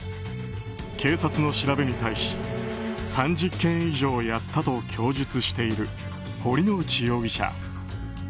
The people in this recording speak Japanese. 警察の調べに対し３０件以上やったと供述している堀之内容疑者。